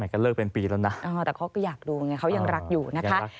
แต่เขาก็อยากดูเขายังรักอยู่นะคะ